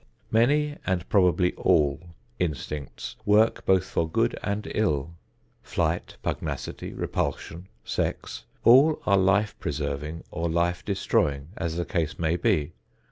Many and probably all instincts work both for good and ill. Flight, pugnacity, repulsion, sex all are life preserving or life destroying, as the case may be.